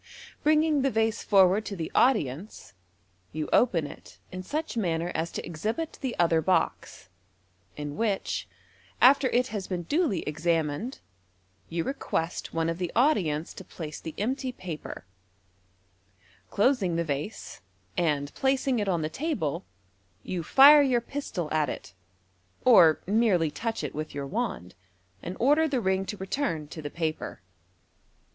Bringing the vase forward to the audience, y>u open it in such manner as to exhibit the other box, in which, after it has been duly examined, you request one of the audience to place the empty paper Closing the vase, and placing it oh the table, you fire your pisto1 at it, or merely touch it with your wand, and order the ring to return to the paper.